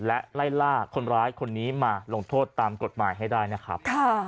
และไล่ล่าคนร้ายคนนี้มาลงโทษตามกฎหมายให้ได้นะครับ